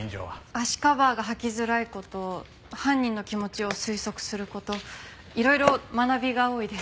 足カバーが履きづらい事犯人の気持ちを推測する事いろいろ学びが多いです。